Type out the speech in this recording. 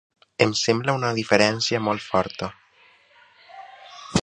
Em sembla una diferència molt forta.